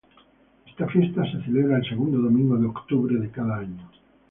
Esta fiesta se celebra el segundo domingo de octubre de cada año.